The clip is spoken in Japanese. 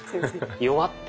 「弱っ」て。